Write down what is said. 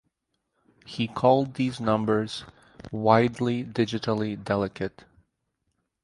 He called these numbers "widely digitally delicate".